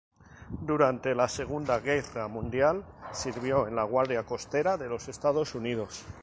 Durante la segunda guerra mundial sirvió en la Guardia Costera de los Estados Unidos.